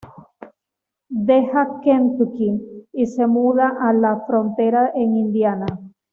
Deja Kentucky y se muda a la frontera en Indiana.